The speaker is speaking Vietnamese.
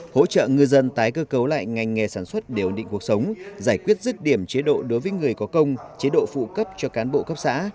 hỗ trợ ngư dân tái cơ cấu lại ngành nghề sản xuất để ổn định cuộc sống giải quyết rứt điểm chế độ đối với người có công chế độ phụ cấp cho cán bộ cấp xã